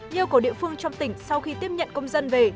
yêu của địa phương trong tỉnh sau khi tiếp nhận công dân về